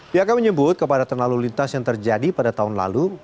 pihaknya menyebut kepada terlalu lintas yang terjadi pada tahun lalu